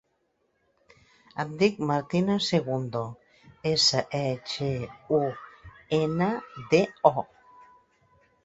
Em dic Martina Segundo: essa, e, ge, u, ena, de, o.